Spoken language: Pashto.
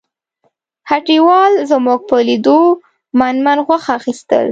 هټیوال زموږ په لیدو من من غوښه اخیستل.